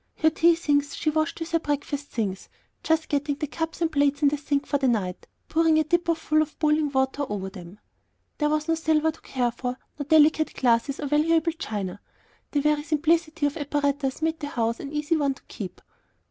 Her tea things she washed with her breakfast things, just setting the cups and plates in the sink for the night, pouring a dipper full of boiling water over them. There was no silver to care for, no delicate glass or valuable china; the very simplicity of apparatus made the house an easy one to keep.